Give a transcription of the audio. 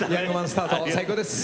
スタート最高です。